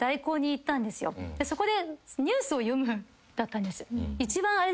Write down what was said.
そこでニュースを読むだったんです。